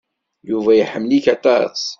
Yuba iḥemmel-ik aṭas.